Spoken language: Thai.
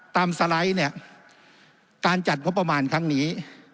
สไลด์เนี่ยการจัดงบประมาณครั้งนี้